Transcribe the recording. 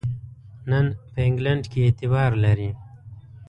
نن په انګلینډ کې اعتبار لري.